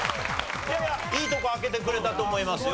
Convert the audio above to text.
いやいやいいとこ開けてくれたと思いますよ。